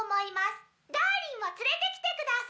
ダーリンを連れてきてください。